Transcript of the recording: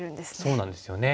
そうなんですよね。